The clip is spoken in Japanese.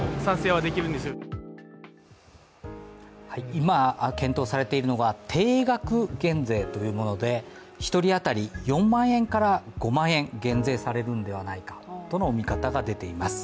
今、検討されているのが定額減税というもので１人当たり４万円から５万円減税されるのではないかという見方もあります。